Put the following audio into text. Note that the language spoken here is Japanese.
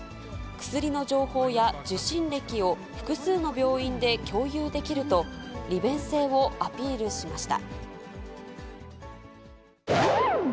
薬の情報や受診歴を複数の病院で共有できると、利便性をアピールしました。